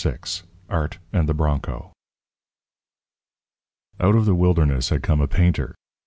VI ART AND THE BRONCO Out of the wilderness had come a painter.